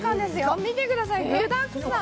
見てください、具だくさん。